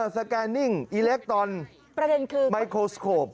สแกนิ่งอิเล็กตรอนไมโครสโคป